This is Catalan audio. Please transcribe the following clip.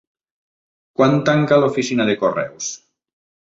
Quan tanca l'oficina de correus?